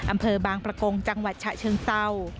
อำเภอบางประกงจังหวัดฉะเชิงเศร้า